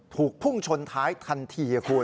พุ่งชนท้ายทันทีคุณ